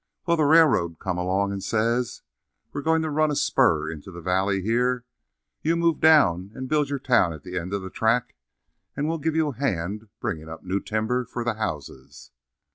Well, the railroad come along and says: 'We're goin' to run a spur into the valley, here. You move down and build your town at the end of the track and we'll give you a hand bringing up new timber for the houses.'